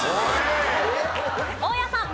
大家さん。